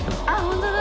本当だ！